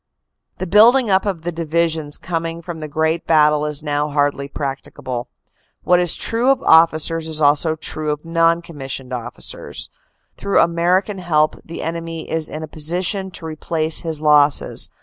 The building up of the divisions coming from the great battle is now hardly practicable. What is true of officers is also true of non commissioned officers. Through American help the enemy is in a position to replace his losses.